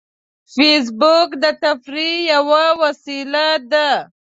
فېسبوک د تفریح یوه وسیله ده